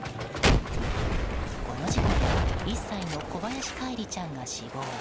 この事故で１歳の小林叶一里ちゃんが死亡。